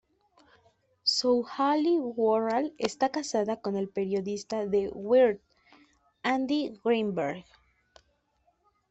Zouhali-Worrall está casada con el periodista de Wired, Andy Greenberg.